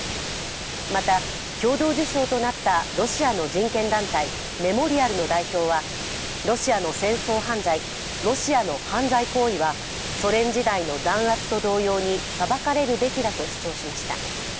また、共同受賞となったロシアの人権団体メモリアルの代表はロシアの犯罪行為はソ連時代の弾圧と同様に裁かれるべきたと主張しました。